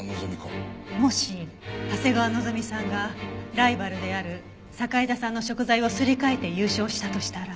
もし長谷川希美さんがライバルである堺田さんの食材をすり替えて優勝したとしたら。